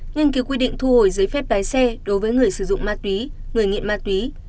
nghiên cứu quy định thu hồi giấy phép lái xe đối với người sử dụng ma túy người nghiện ma túy